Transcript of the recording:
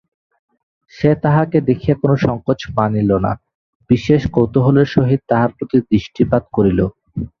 সে তাহাকে দেখিয়া কোনো সংকোচ মানিল না–বিশেষ কৌতূহলের সহিত তাহার প্রতি দৃষ্টিপাত করিল।